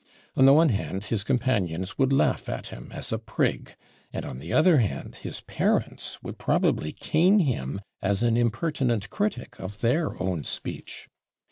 On the one hand his companions would laugh at him as a prig, and on the other hand his parents would probably cane him as an impertinent critic of their own speech.